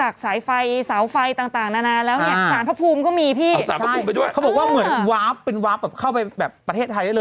เขาก็บอกว่าเหมือนวาปเป็นวาปจะเข้าไปแบบประเทศไทยได้เลย